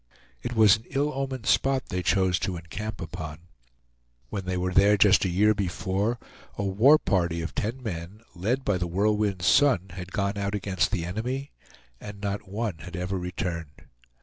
It was an ill omened spot they chose to encamp upon. When they were there just a year before, a war party of ten men, led by The Whirlwind's son, had gone out against the enemy, and not one had ever returned.